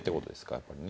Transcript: やっぱりね。